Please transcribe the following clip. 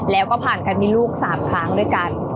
แล้วก็ผ่านกันมีลูก๓ครั้งด้วยกัน